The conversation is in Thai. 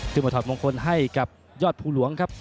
มาถอดมงคลให้กับยอดภูหลวงครับ